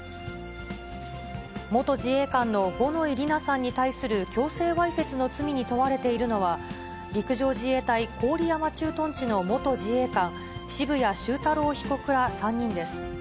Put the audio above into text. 元自衛官の五ノ井里奈さんに対する強制わいせつの罪に問われているのは、陸上自衛隊郡山駐屯地の元自衛官、渋谷修太郎被告ら３人です。